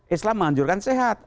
islam menghancurkan sehat